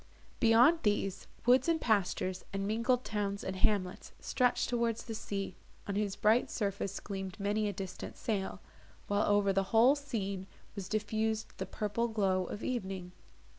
Beyond these, woods and pastures, and mingled towns and hamlets stretched towards the sea, on whose bright surface gleamed many a distant sail; while, over the whole scene, was diffused the purple glow of evening.